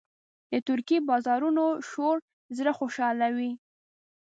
د ترکي بازارونو شور زړه خوشحالوي.